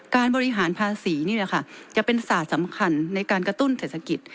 การบริหารภาษีนี่แหละค่ะจะเป็นศาสตร์สำคัญในการกระตุ้นเศรษฐกิจ